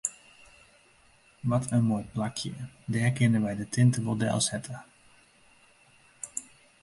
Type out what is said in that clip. Wat in moai plakje, dêr kinne wy de tinte wol delsette.